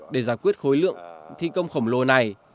để giải quyết khối lượng thi công khổng lồ này